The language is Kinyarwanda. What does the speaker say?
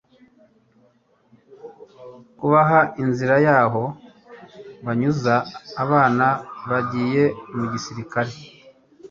kubaha inzira y'aho banyuza abana bagiye mu gisirikare